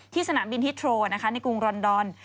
ที่สนามบินฮิตโโน้ในกรุงรอนดอน